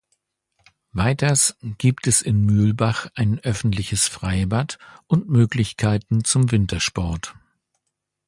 Weiters gibt es in Mühlbach ein öffentliches Freibad und Möglichkeiten zum Wintersport.